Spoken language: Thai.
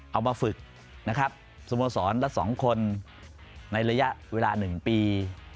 เอามาฝึกนะครับสโมสรละ๒คนในระยะเวลา๑ปี